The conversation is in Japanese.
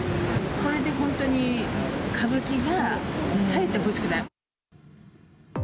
これで本当に、歌舞伎が絶えてほしくない。